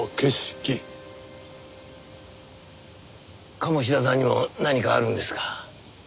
鴨志田さんにも何かあるんですか？